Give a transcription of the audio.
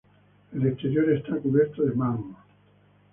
El exterior está cubierto de mármol.